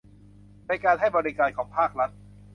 ในการให้บริการของภาครัฐ